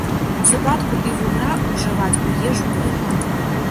Зубатку і вугра ўжываць у ежу нельга.